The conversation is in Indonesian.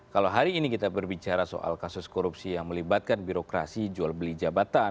kalau hari ini kita berbicara soal kasus korupsi yang melibatkan birokrasi jual beli jabatan